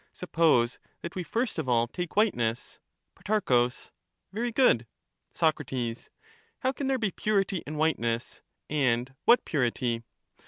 Suppose that we first of all take whiteness. Pro. Very good. Soc. How can there be purity in whiteness, and what ^"^y »s purity